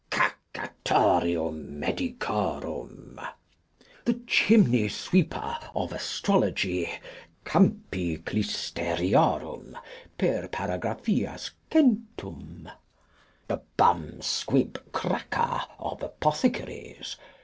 Cacatorium medicorum. The Chimney sweeper of Astrology. Campi clysteriorum per paragraph C. The Bumsquibcracker of Apothecaries.